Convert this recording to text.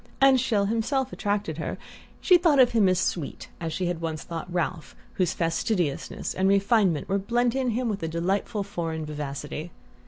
And Chelles himself attracted her: she thought him as "sweet" as she had once thought Ralph, whose fastidiousness and refinement were blent in him with a delightful foreign vivacity.